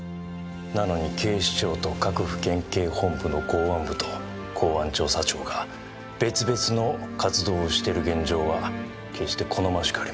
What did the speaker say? なのに警視庁と各府県警本部の公安部と公安調査庁が別々の活動をしている現状は決して好ましくありません。